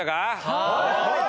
はい！